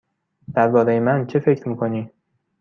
درباره من چه فکر می کنی؟